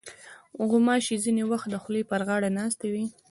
غوماشې ځینې وخت د خولې پر غاړه ناستې وي.